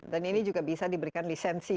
dan ini juga bisa diberikan lisensi ya